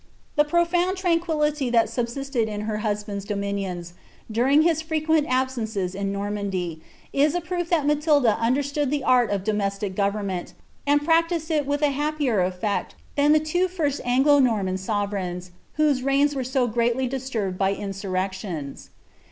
The profound trwiquillily thai subt.istcd in her husband's dominions, during his frequent absences in r^onnBnJy, is a proof that Matilda ns tterslood the art of domestic goTcmment, and practised it with a liap pier eflect tlian the two first Anglo Normaji sovereigns, whose teips were so greatly disturl>ed by insurrections.